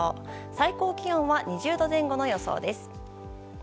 最高気温は２０度前後の予想です。